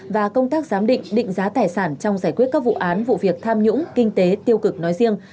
và công tác giám định định giá tài sản trong giải quyết các vụ án vụ việc tham nhũng kinh tế tiêu cực nói riêng